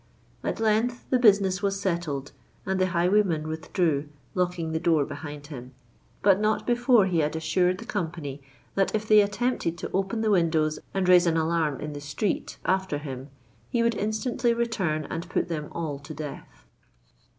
At length the business was settled; and the highwayman withdrew, locking the door behind him,—but not before he had assured the company that if they attempted to open the windows and raise an alarm in the street after him, he would instantly return and put them all to death.